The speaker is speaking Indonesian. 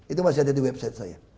itu masih ada di website saya